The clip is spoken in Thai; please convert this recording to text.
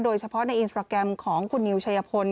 โดยเฉพาะในอินสตราแกรมของคุณนิวชัยพล